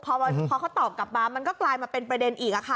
พอเขาตอบกลับมามันก็กลายมาเป็นประเด็นอีกค่ะ